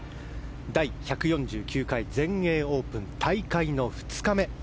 第１４９回、全英オープン大会の２日目。